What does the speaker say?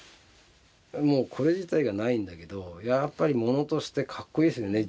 もうこれ自体がないんだけどやっぱり物としてかっこいいですよね。